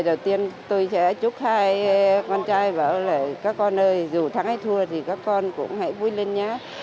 đầu tiên tôi sẽ chúc hai con trai bảo là các con ơi dù thắng hay thua thì các con cũng hãy vui lên nhé